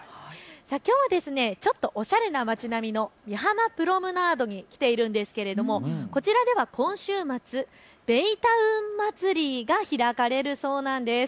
きょうはちょっとおしゃれな町並みの美浜プロムナードに来ているんですけれども、こちらでは今週末、ベイタウンまつりが開かれるそうなんです。